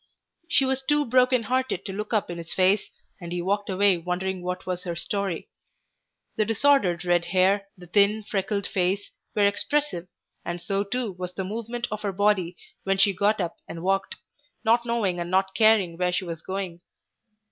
She was too broken hearted to look up in his face, and he walked away wondering what was her story. The disordered red hair, the thin, freckled face, were expressive, and so too was the movement of her body when she got up and walked, not knowing and not caring where she was going.